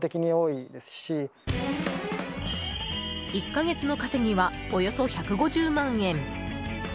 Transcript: １か月の稼ぎはおよそ１５０万円。